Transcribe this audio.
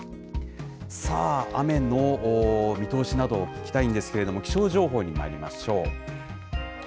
さあ、雨の見通しなどを聞きたいんですけれども、気象情報に参りましょう。